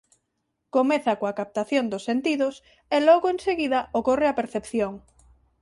Comeza coa captación dos sentidos e logo en seguida ocorre a percepción.